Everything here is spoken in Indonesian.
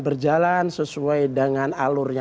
berjalan sesuai dengan